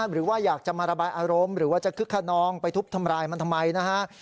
หรือว่าอยากจะมาระบายอารมณ์หรือว่าจะคึกขนองไปทุบทำร้ายมันทำไมนะฮะ